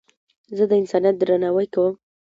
زه د انسانیت درناوی کوم.